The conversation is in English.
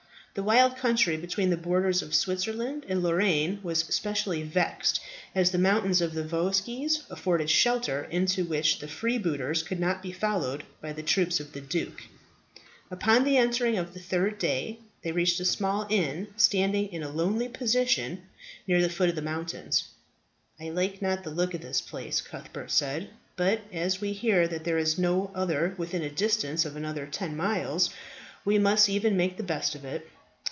The wild country between the borders of Switzerland and Lorraine was specially vexed, as the mountains of the Vosges afforded shelter, into which the freebooters could not be followed by the troops of the duke. Upon the evening of the third day they reached a small inn standing in a lonely position near the foot of the mountains. "I like not the look of this place," Cuthbert said; "but as we hear that there is no other within a distance of another ten miles, we must e'en make the best of it."